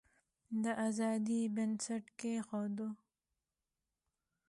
د آزادی بنسټ کښېښود.